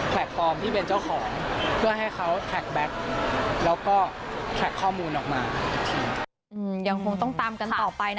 แต่พีชพัชรายืนยันแน่นอนว่าเอาเรื่องจะเงียบไป